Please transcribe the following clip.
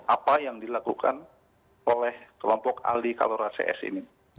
apa yang dilakukan oleh kelompok ahli kalorasi s ini